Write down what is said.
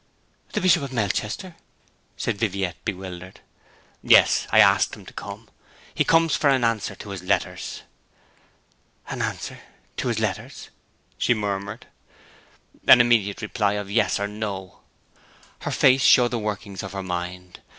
'The Bishop of Melchester?' said Viviette, bewildered. 'Yes. I asked him to come. He comes for an answer to his letters.' 'An answer to his letters?' she murmured. 'An immediate reply of yes or no.' Her face showed the workings of her mind.